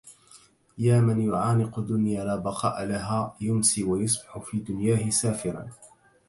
يا من يعانق دنيا لا بقاء لها..... يمسي ويصبح في دنياه سافرا